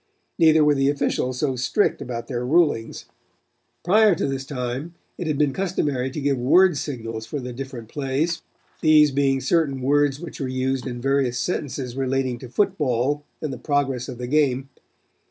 Neither were the officials so strict about their rulings. "Prior to this time it had been customary to give word signals for the different plays, these being certain words which were used in various sentences relating to football and the progress of the game.